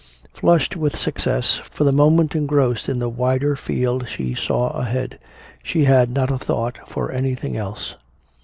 Flushed with success, for the moment engrossed in the wider field she saw ahead, she had not a thought for anything else.